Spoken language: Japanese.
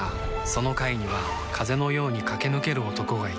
その階には風のように駆け抜ける男がいた